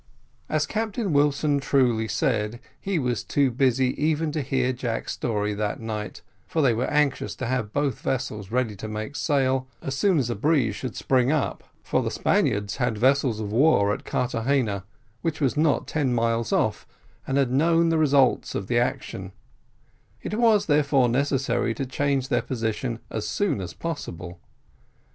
As Captain Wilson truly said, he was too busy even to hear Jack's story that night, for they were anxious to have both vessels ready to make sail as soon as a breeze should spring up, for the Spaniards had vessels of war at Carthagena, which was not ten miles off, and had known the result of the action: it was therefore necessary to change their position as soon as possible.